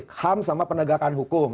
ham sama penegakan hukum